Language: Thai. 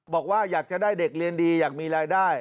บอกว่าอยากจะได้เด็กเรียนดีอยากมีรายได้